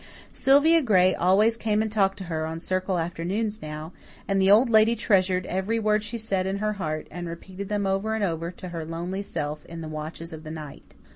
Sylvia Gray always came and talked to her on Circle afternoons now, and the Old Lady treasured every word she said in her heart and repeated them over and over to her lonely self in the watches of the night.